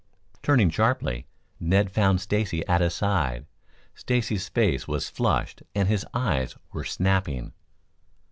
Turning sharply, Ned found Stacy at his side. Stacy's face was flushed and his eyes were snapping.